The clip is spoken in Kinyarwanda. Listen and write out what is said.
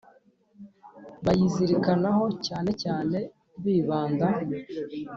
bayizirikanaho cyane cyane bibanda